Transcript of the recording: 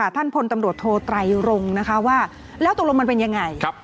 ท่านพลตำรวจโทรไตรงว์ว่าแล้วตรงรวมมันเป็นอย่างไร